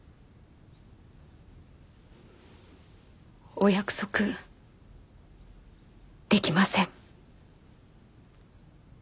お約束できません。